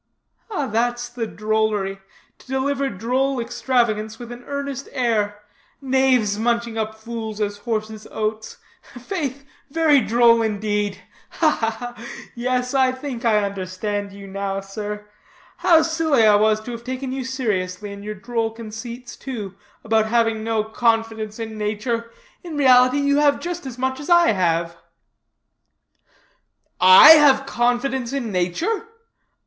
"That's the drollery, to deliver droll extravagance with an earnest air knaves munching up fools as horses oats. Faith, very droll, indeed, ha, ha, ha! Yes, I think I understand you now, sir. How silly I was to have taken you seriously, in your droll conceits, too, about having no confidence in nature. In reality you have just as much as I have." "I have confidence in nature?